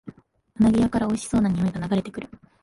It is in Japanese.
うなぎ屋からおいしそうなにおいが流れてくる